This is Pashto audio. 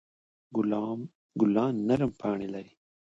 ګلان نرم پاڼې لري.